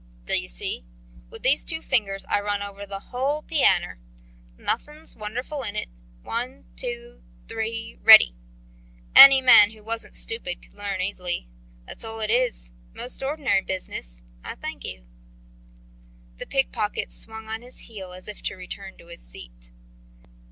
"D' you see? With these two fingers I run over the whole pianner. Nothin' wonderful in it: one, two, three ready. Any man who wasn't stupid could learn easily. That's all it is. Most ordinary business. I thank you." The pickpocket swung on his heel as if to return to his seat.